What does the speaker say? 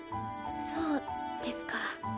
そうですか。